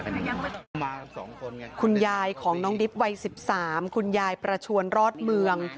คุณยายของน้องดิ๊บวัย๑๓คุณยายประชวนรอดเมือง